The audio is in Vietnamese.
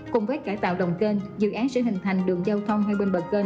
cùng với cải tạo đồng cơn dự án sẽ hình thành đường giao thông hai bên bờ cơn